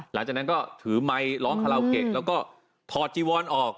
หลังจากนั้นก็ถือไมค์ร้องคาราโอเกะแล้วก็ถอดจีวอนออก